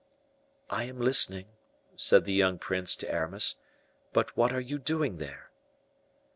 "I am listening," said the young prince to Aramis; "but what are you doing there?"